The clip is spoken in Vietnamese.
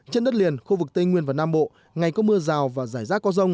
trên đất liền khu vực tây nguyên và nam bộ ngày có mưa rào và rải rác có rông